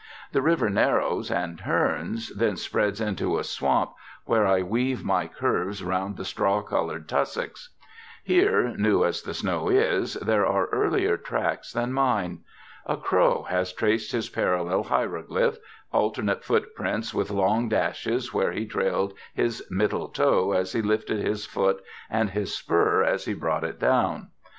The river narrows and turns, then spreads into a swamp, where I weave my curves round the straw colored tussocks. Here, new as the snow is, there are earlier tracks than mine. A crow has traced his parallel hieroglyph, alternate footprints with long dashes where he trailed his middle toe as he lifted his foot and his spur as he brought it down.